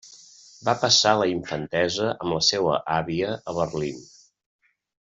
Va passar la infantesa amb la seua àvia a Berlín.